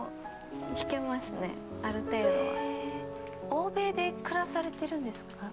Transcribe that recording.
欧米で暮らされてるんですか？